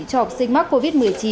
cho học sinh mắc covid một mươi chín